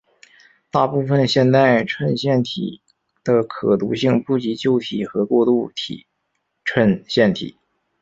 大部分现代衬线体的可读性不及旧体和过渡体衬线体。